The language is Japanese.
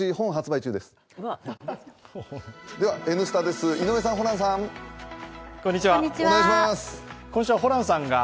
「Ｎスタ」です井上さん、ホランさん。